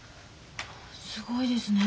すごいですね。